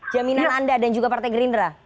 jaminan anda dan juga partai gerindra